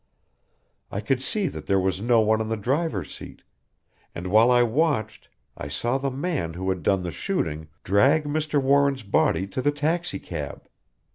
I could see that there was no one in the driver's seat and while I watched I saw the man who had done the shooting drag Mr. Warren's body to the taxicab.